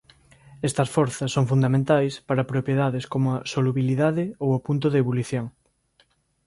Estas forzas son fundamentais para propiedades como a solubilidade ou o punto de ebulición.